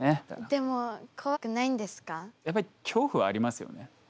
でもやっぱり恐怖はありますよね。